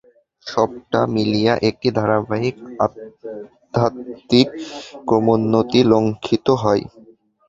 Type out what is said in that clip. সবটা মিলিয়া একটি ধারাবাহিক আধ্যাত্মিক ক্রমোন্নতি লক্ষিত হয়।